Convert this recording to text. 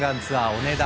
お値段